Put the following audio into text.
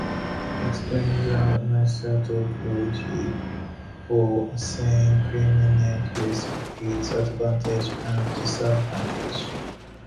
Explain the methodology for assessing climate risks, its advantages and disadvantages